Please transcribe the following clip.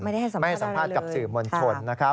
ไม่ได้ให้สัมภาษณ์อะไรเลยไม่ได้ให้สัมภาษณ์กับสื่อมณชน